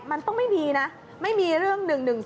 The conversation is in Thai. มันต้องไม่มีนะไม่มีเรื่อง๑๑๒